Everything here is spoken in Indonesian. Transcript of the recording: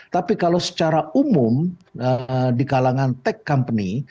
tapi kalau secara umum di kalangan tech company